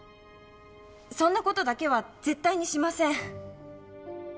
そんな事だけは絶対にしません。